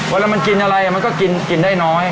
เวลามันกินอะไรมันก็กินได้น้อย